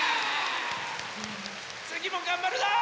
つぎもがんばるぞ！